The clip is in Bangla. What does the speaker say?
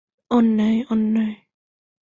অন্যায়, অন্যায়!